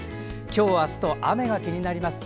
今日あすと雨が気になります。